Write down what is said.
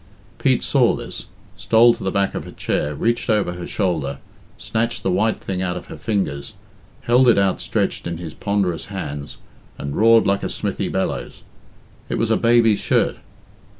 Pete saw this, stole to the back of her chair, reached over her shoulder, snatched the white thing out of her fingers, held it outstretched in his ponderous hands, and roared like a smithy bellows. It was a baby's shirt.